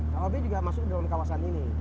hob juga masuk di dalam kawasan ini